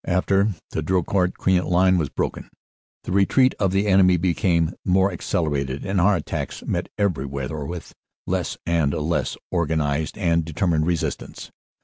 After the Drocourt Queant Line was broken, the retreat of the enemy became more accelerated, and our attacks met every where with less and less organized and determined resistance.